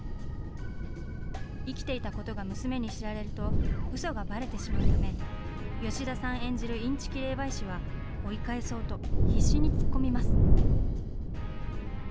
生きていたことが娘に知られると、うそがバレてしまうため、吉田さん演じるインチキ霊媒師は追い返そうと必死にツッコミます。